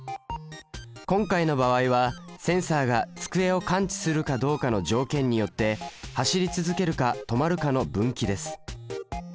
今回の場合はセンサが机を感知するかどうかの条件によって走り続けるか止まるかの分岐です。